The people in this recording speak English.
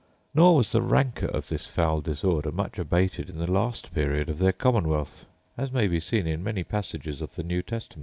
* Nor was the rancour of this foul disorder much abated in the last period of their commonwealth, as may be seen in many passages of the New Testament.